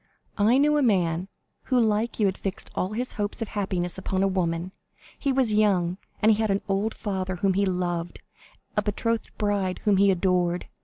I knew a man who like you had fixed all his hopes of happiness upon a woman. He was young, he had an old father whom he loved, a betrothed bride whom he adored.